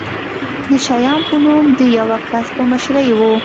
د شیام په نوم د یوه کس په مشرۍ و.